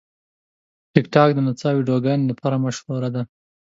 ټیکټاک د نڅا ویډیوګانو لپاره مشهوره ده.